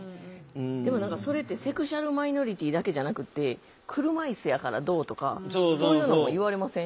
でも何かそれってセクシュアルマイノリティーだけじゃなくて車椅子やからどうとかそういうのも言われません？